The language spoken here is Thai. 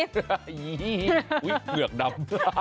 เหงือกดำ